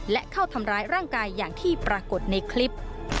และเข้าทำร้ายร่างกายอย่างที่ปรากฏในคลิป